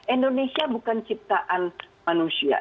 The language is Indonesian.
indonesia bukan ciptaan manusia